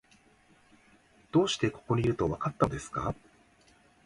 どうしてここにいると、わかったのですか？